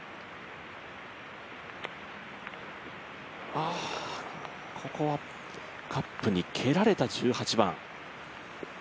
ああ、ここはカップに蹴られた１８番。